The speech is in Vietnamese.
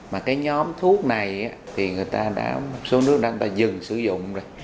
mà cái nhóm thuốc này thì người ta đã một số nước đang dừng sử dụng rồi